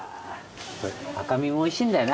赤身もおいしいんだよな。